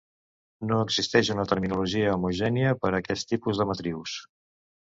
No existeix una terminologia homogènia per a aquest tipus de matrius.